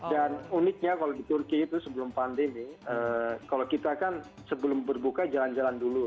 dan uniknya kalau di turki itu sebelum pandemi kalau kita kan sebelum berbuka jalan jalan dulu